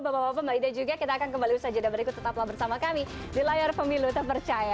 bapak bapak mbak ida juga kita akan kembali usaha jadwal berikut tetaplah bersama kami di layar pemilu terpercaya